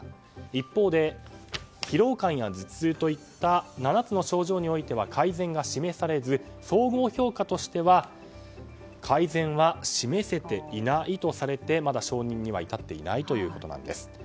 一方で疲労感や頭痛といった７つの症状については改善が示されず総合評価としては改善は示せていないとされてまだ承認には至っていないということです。